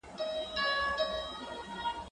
زه اوږده وخت سپينکۍ پرېولم وم؟